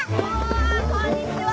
こんにちは！